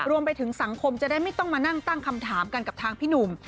รวมไปถึงสังคมจะได้ไม่ต้องมานั่งตั้งคำถามกันกับทางพี่หนุ่ม